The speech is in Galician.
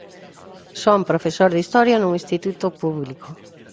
Son profesor de Historia nun instituto público.